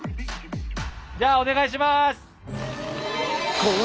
じゃあお願いします！